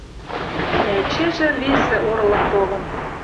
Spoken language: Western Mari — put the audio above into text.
Дӓ эчежӹ весӹ орлык толын: